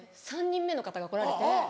３人目の方が来られて。